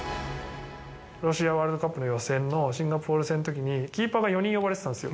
ロシアワールドカップの予選のシンガポール戦のときに、キーパーが４人呼ばれてたんですよ。